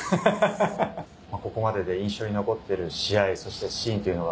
ここまでで印象に残ってる試合、そしてシーンというのは？